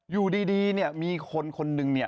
อยู่ดีมีคนนึง